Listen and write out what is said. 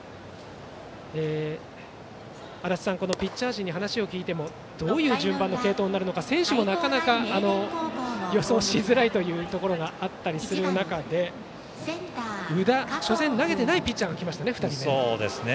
足達さん、ピッチャー陣に話を聞いてもどういう順番の継投になるか選手も、なかなか予想しづらいというところがあったりする中で宇田、初戦投げていないピッチャーがきましたね。